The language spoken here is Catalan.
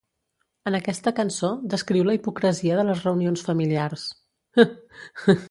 En aquesta cançó descriu la hipocresia de les reunions familiars.